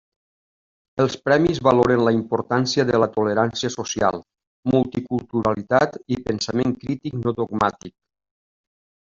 Els premis valoren la importància de la tolerància social, multiculturalitat i pensament crític no dogmàtic.